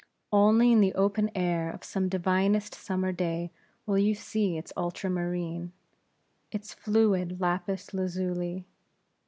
Only in the open air of some divinest, summer day, will you see its ultramarine, its fluid lapis lazuli.